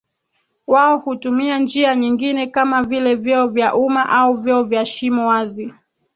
Wao hutumia njia nyingine kama vile vyoo vya umma au vyoo vya shimo wazi